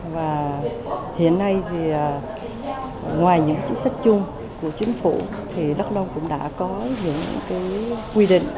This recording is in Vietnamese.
và hiện nay thì ngoài những chính sách chung của chính phủ thì đắk nông cũng đã có những cái quy định